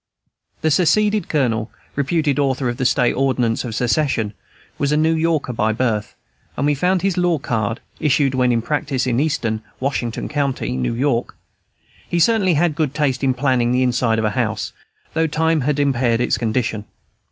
The seceded Colonel, reputed author of the State ordinance of Secession, was a New Yorker by birth, and we found his law card, issued when in practice in Easton, Washington County, New York. He certainly had good taste in planning the inside of a house, though time had impaired its condition.